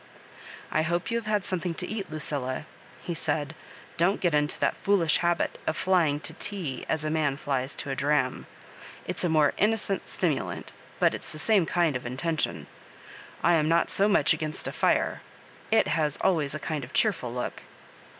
" I hope you have had something to eat, Lu cilla," he said; "don't get into that foolish habit of flying to tea as a man flies to a dram. It's a more innocent stimulant, but it's the same kind of intention. I am not so much against a Are ; it has always a kind of cheerful look."